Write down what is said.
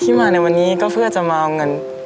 มาในวันนี้ก็เพื่อจะมาเอาเงิน